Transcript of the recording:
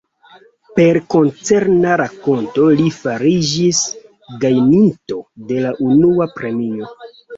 Per koncerna rakonto li fariĝis gajninto de la unua premio.